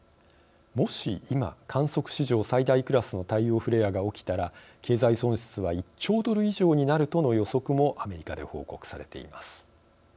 もし今、観測史上最大クラスの太陽フレアが起きたら経済損失は１兆ドル以上になるとの予測もアメリカで報告されています。